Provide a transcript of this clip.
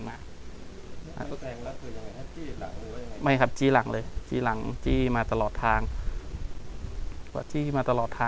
กลับมาที่สุดท้ายและกลับมาที่สุดท้ายและกลับมาที่สุดท้าย